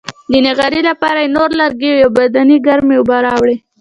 د نغري لپاره یې نور لرګي او یوه بدنۍ ګرمې اوبه راوړې.